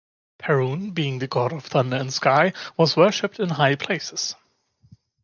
Perun, being the god of thunder and sky, was worshipped in high places.